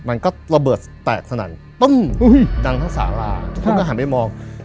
มันก็ระเบิดแตกสนั่นตุ้มดังทั้งสาลาทุกคนก็หันไปมอง